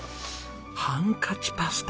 ハンカチパスタ！